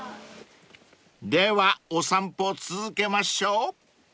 ［ではお散歩続けましょう］